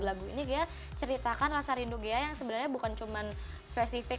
dan emang di lagu ini ghea ceritakan rasa rindu ghea yang sebenarnya bukan cuma spesifik